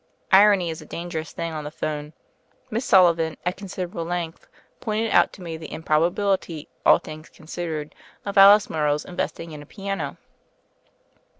Irony is a dangerous thing on the 'phone. Miss Sullivan, at considerable length, pointed THE FAIRY OF THE SNOWS 43 out to me the improbability, all things consid ered, of Alice Morrow's investing in a piano.